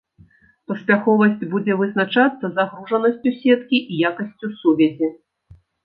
Паспяховасць будзе вызначацца загружанасцю сеткі і якасцю сувязі.